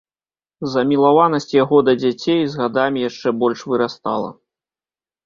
Замілаванасць яго да дзяцей з гадамі яшчэ больш вырастала.